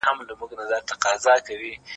ماهر د ساعت ارزښت څنګه معلوم کړ؟